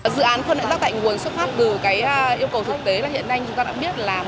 dự án phân loại rác tại nguồn xuất phát từ yêu cầu thực tế